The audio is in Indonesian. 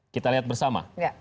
kita lihat bersama